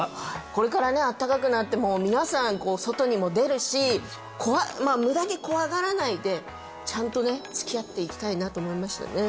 これからねあったかくなって皆さんこう外にも出るし怖いまあ無駄に怖がらないでちゃんとねつきあっていきたいなと思いましたね